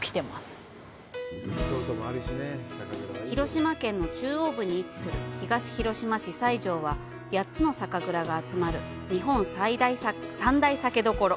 広島県の中央部に位置する東広島市・西条は、８つの酒蔵が集まる「日本三大酒どころ」。